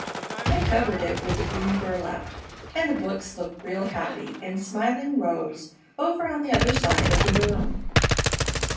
I covered it with the green burlap, and the books look real happy in smiling rows over on the other side of the room.